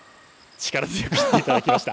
力強く言っていただきました。